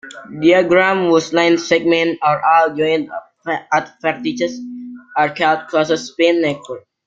Diagrams whose line segments are all joined at vertices are called "closed spin networks".